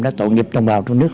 đã tội nghiệp tổng bào trong nước